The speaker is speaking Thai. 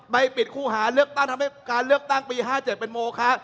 ไปปิดคู่หาเลือกตั้งทำให้การเลือกตั้งปี๕๗เป็นโมคะ